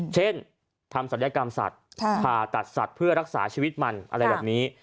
เช่นทำศัลยกรรมสัตว์ผ่าตัดสัตว์เพื่อรักษาชีวิตมันอะไรแบบนี้